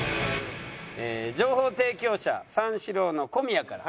情報提供者三四郎の小宮から。